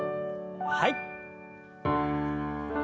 はい。